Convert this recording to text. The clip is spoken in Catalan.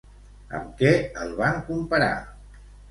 Amb què el van comparar?